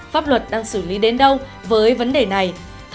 pháp luật đang xử lý đến đâu với vấn đề này